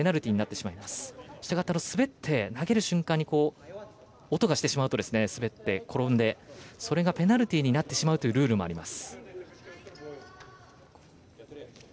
したがって、滑って投げる瞬間に音がしてしまいますとそれがペナルティーになるというルールがあります。